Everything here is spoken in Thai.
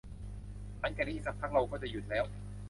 หลังจากนี้อีกสักพักเราก็จะหยุดแล้ว